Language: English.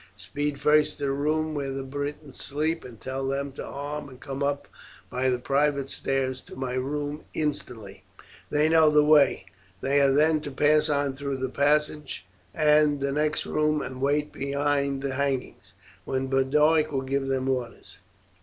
Speed first to the room where the Britons sleep, and tell them to arm and come up by the private stairs to my room instantly. They know the way. They are then to pass on through the passage and the next room and wait behind the hangings, when Boduoc will give them orders.